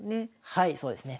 はいそうですね。